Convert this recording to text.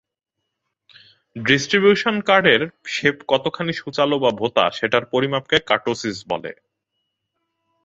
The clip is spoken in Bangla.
ডিস্ট্রিবুশন কার্ভের শেপ কতখানি সূচালো বা ভোতা সেতার পরিমাপকে কার্টোসিস বলে।